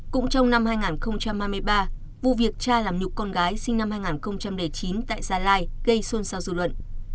cũng trong năm hai nghìn hai mươi ba vụ việc cha làm nhục con gái sinh năm hai nghìn chín tại gia lai gây xôn xao dư luận